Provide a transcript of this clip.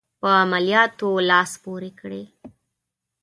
په عملیاتو لاس پوري کړي.